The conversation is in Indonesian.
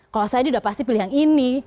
kalau saya ini udah pasti pilih yang ini